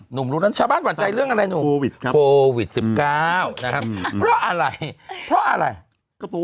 หนุ่มรู้แล้วชาวบ้านหวั่นใจเรื่องอะไรหนุ่มโควิดครับ